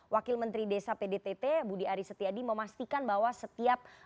wakil menteri desa pdtt budi arisetiadi memastikan bahwa setiap